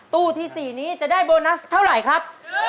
ตู้ที่๔นี้จะได้โบนัสเท่าไหร่ครับ